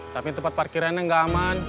tapi tempat parkirannya nggak aman